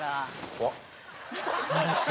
「怖っ！」